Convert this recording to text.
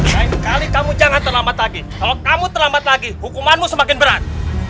lain kali kamu jangan terlambat lagi kalau kamu terlambat lagi hukumanmu semakin berat